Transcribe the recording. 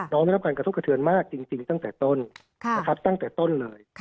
ได้รับการกระทบกระเทือนมากจริงตั้งแต่ต้นนะครับตั้งแต่ต้นเลย